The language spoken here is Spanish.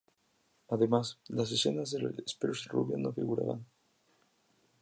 Además, las escenas de la Spears rubia no figuraban.